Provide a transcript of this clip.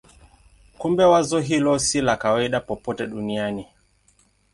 Kumbe wazo hilo si la kawaida popote duniani.